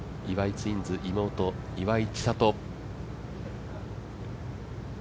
ツインズ妹・岩井千怜。